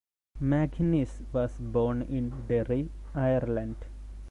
Maginnis was born in Derry, Ireland.